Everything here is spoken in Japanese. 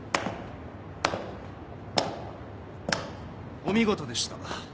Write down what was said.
お見事でした。